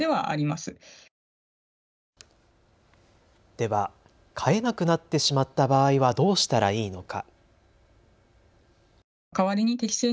では飼えなくなってしまった場合はどうしたらいいのか。